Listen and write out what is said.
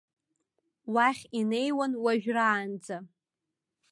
Уахь инеиуан, уажәраанӡа.